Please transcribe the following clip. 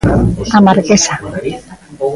A marquesa.